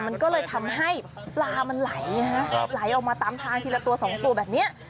มันก็เลยทำให้ปลามันไหลออกมาตามทางทีละตัว๒ตัวแบบนี้